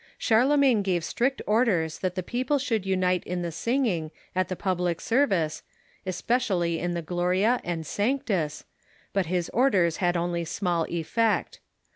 Charlemagne gave strict orders that the people should unite in the singing at the public service, especially in the Gloria and Sanctus, but his orders had only small effect.